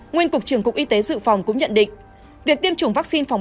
nguyên cục trưởng cục y tế dự phòng cũng nhận định